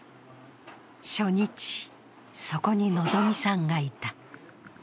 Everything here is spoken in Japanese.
初日、そこに希さんがいた。